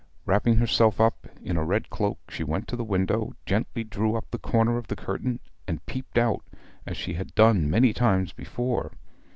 Wrapping herself up in a red cloak, she went to the window, gently drew up a corner of the curtain, and peeped out, as she had done many times before.